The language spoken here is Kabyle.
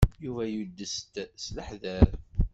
Yuba yudes-d s leḥder.